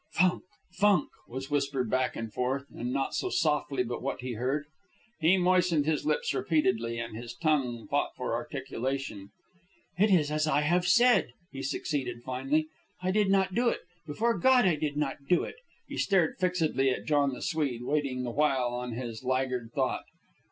"Funk! Funk!" was whispered back and forth, and not so softly but what he heard. He moistened his lips repeatedly, and his tongue fought for articulation. "It is as I have said," he succeeded, finally. "I did not do it. Before God, I did not do it!" He stared fixedly at John the Swede, waiting the while on his laggard thought.